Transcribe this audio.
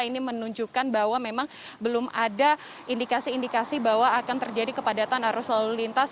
ini menunjukkan bahwa memang belum ada indikasi indikasi bahwa akan terjadi kepadatan arus lalu lintas